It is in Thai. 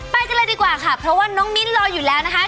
ไปกันเลยดีกว่าค่ะเพราะว่าน้องมิ้นรออยู่แล้วนะคะ